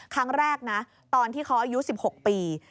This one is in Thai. ครั้งแรกนะตอนที่เขาอายุ๑๖ปี